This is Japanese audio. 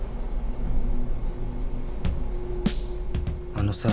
あのさ